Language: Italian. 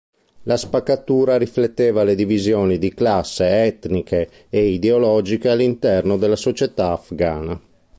La spaccatura rifletteva le divisioni di classe, etniche e ideologiche all'interno della società afghana.